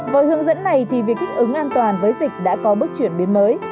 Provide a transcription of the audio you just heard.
với hướng dẫn này thì việc kích ứng an toàn với dịch đã có bước chuyển biến mới